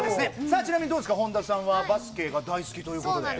ちなみにどうですか、本田さんはバスケが大好きということで。